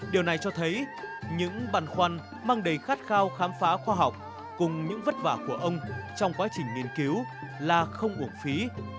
điều này cho thấy những băn khoăn mang đầy khát khao khám phá khoa học cùng những vất vả của ông trong quá trình nghiên cứu là không uổng phí